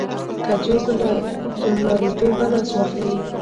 که څوک له توندلاریتوبه لاس واخلي.